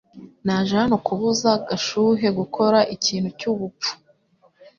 Naje hano kubuza Gashuhe gukora ikintu cyubupfu